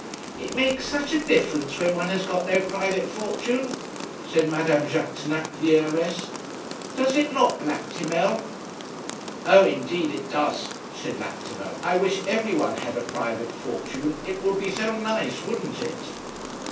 'It makes such a difference, when one has got no private fortune,' said Madame Jaquêtanàpe, the heiress. 'Does it not, Lactimel?' 'Oh, indeed it does,' said Lactimel. 'I wish every one had a private fortune; it would be so nice, wouldn't it?'